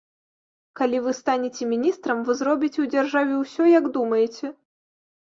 Калі вы станеце міністрам, вы зробіце ў дзяржаве ўсё, як думаеце.